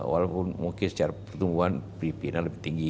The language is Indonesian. walaupun mungkin secara pertumbuhan filipina lebih tinggi